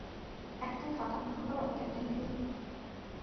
একদম ফাঁকা, ধন্যবাদ, ক্যাপ্টেন নিল।